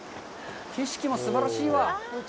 景色もすばらしいわ。